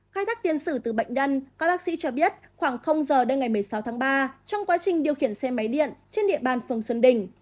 khai thác tiên sử từ bệnh nhân các bác sĩ cho biết khoảng giờ đêm ngày một mươi sáu tháng ba trong quá trình điều khiển xe máy điện trên địa bàn phường xuân đình